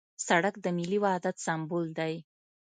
سړک د ملي وحدت سمبول دی.